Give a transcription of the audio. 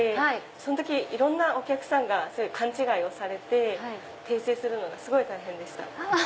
その時いろんなお客さんが勘違いをされて訂正するのがすごい大変でした。